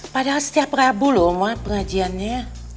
padahal setiap rabu lho oma pengajiannya